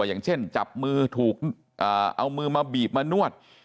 อย่างเช่นจับมือถูกเอามือมาบีบมานวด